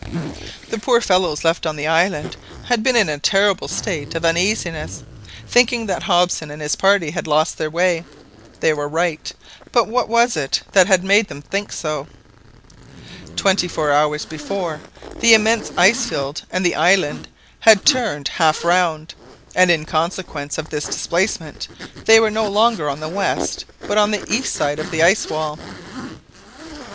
The poor fellows left on the island had been in a terrible state of uneasiness, thinking that Hobson and his party had lost their way. They were right, but what was it that had made them think so? Twenty four hours before, the immense ice field and the island had turned half round, and in consequence of this displacement they were no longer on the west, but on the east of the ice wall!